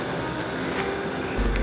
apa aku boleh minta izin